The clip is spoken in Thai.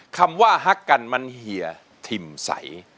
คำว่าฮักกันมันเหยียพิมพ์ใส